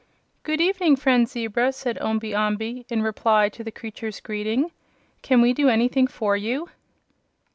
"Good evening, friend Zebra," said Omby Amby, in reply to the creature's greeting. "Can we do anything for you?"